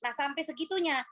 nah sampai segitunya